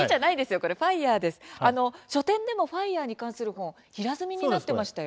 書店でもファイアーに関する本が平積みになっていましたよ。